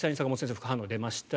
副反応が出ました。